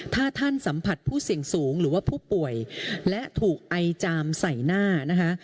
ถ้าท่านสัมผัสผู้เสี่ยงสูงหรือว่าผู้ป่วยและถูกไอจามใส่หน้านะคะ